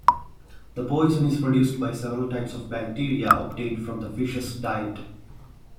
The poison is produced by several types of bacteria obtained from the fish's diet.